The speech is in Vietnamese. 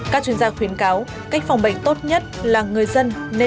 các chuyên gia khuyến cáo cách phòng bệnh tốt nhất là người dân nên